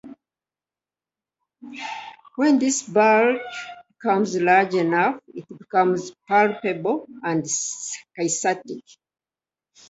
When this bulge becomes large enough, it becomes palpable and cystic.